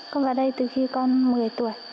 con vào đây từ khi con một mươi tuổi